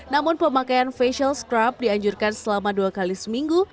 namun pemakaian facial scrub dianjurkan selama dua kali seminggu